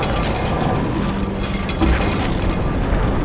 nah saya membungkitmu